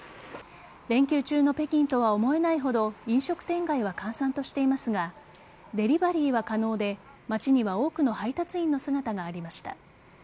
連休中の北京と思えないほど飲食店街は閑散としていますがデリバリーは可能で街には多くの配達員の姿がありました。